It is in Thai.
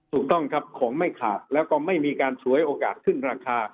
ถูกต้องครับของไม่ขาดแล้วก็ไม่มีการฉวยโอกาสขึ้นราคา